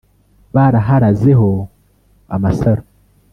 baraharazeho amasaro